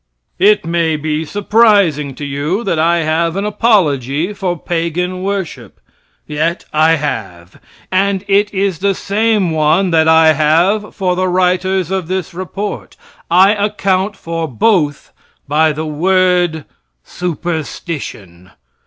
It may be surprising to you that I have an apology for pagan worship, yet I have. And it is the same one that I have for the writers of this report. I account for both by the word superstition.